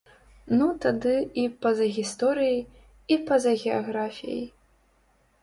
Ну тады і па-за гісторыяй, і па-за геаграфіяй!